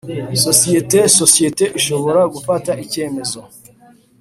sosiyete Sosiyete ishobora gufata icyemezo